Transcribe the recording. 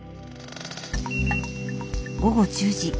午後１０時。